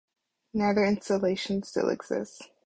Neither installation still exists.